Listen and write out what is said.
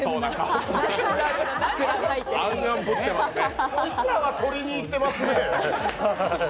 こいつらは撮りにいってますね。